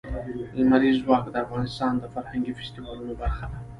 لمریز ځواک د افغانستان د فرهنګي فستیوالونو برخه ده.